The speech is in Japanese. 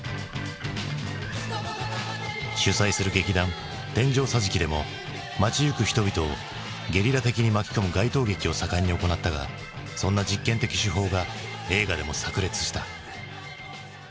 主宰する劇団天井桟敷でも街行く人々をゲリラ的に巻き込む街頭劇を盛んに行ったがそんな実験的手法が映画でもさく裂した。